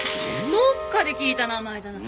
どっかで聞いた名前だな。